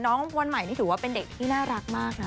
น้องวันใหม่นี่ถือว่าเป็นเด็กที่น่ารักมากนะ